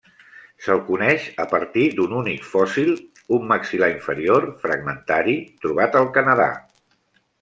Se'l coneix a partir d'un únic fòssil, un maxil·lar inferior fragmentari trobat al Canadà.